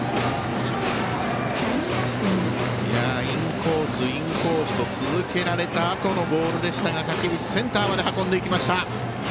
インコース、インコースと続けられたあとのボールでしたが垣淵、センターまで運んでいきました。